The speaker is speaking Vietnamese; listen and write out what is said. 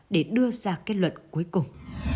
để đưa ra kết luận cuối cùng